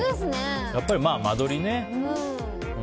やっぱり間取りね。